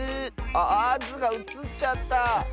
ああっ「ズ」がうつっちゃった。